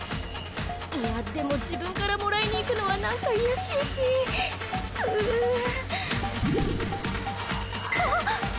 いやでも自分からもらいにいくのはなんか卑しいしうぅあっ！